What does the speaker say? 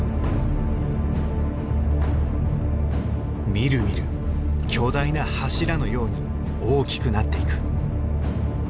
みるみる巨大な柱のように大きくなっていく。